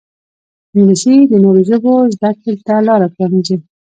انګلیسي د نورو ژبو زده کړې ته لاره پرانیزي